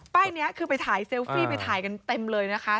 นี้คือไปถ่ายเซลฟี่ไปถ่ายกันเต็มเลยนะคะ